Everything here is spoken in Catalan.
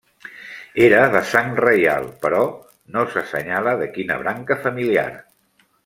Era de sang reial, però no s'assenyala de quina branca familiar.